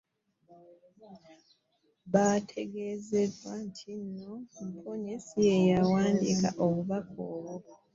Baategeezezza nti Mbonye si y'eyali awandiise obubaka obwo